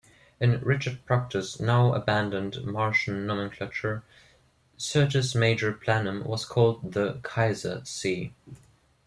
In Richard Proctor's now-abandoned Martian nomenclature, Syrtis Major Planum was called the "Kaiser Sea".